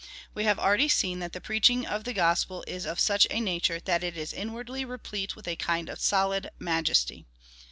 We have already seen^ that the preaching of the gospel is of such a nature, that it is inwardly replete with a kind of solid ma jesty.